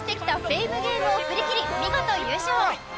フェイムゲームを振り切り見事優勝